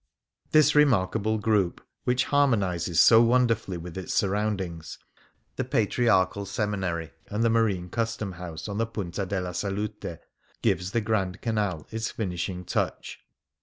This remarkable 37 Things Seen in Venice group, which harmonizes so wonderfully with its surroundings — the Patriarchal Seminary and the Marine Custom House on the Punta della Salute — gives the Grand Canal its finishing touch.